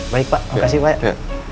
baik pak makasih pak